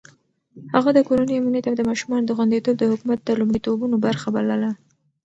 هغه د کورنۍ امنيت او د ماشومانو خونديتوب د حکومت د لومړيتوبونو برخه بلله.